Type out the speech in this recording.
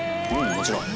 もちろん。